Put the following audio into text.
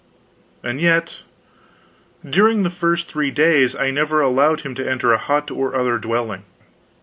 And yet, during the first three days I never allowed him to enter a hut or other dwelling.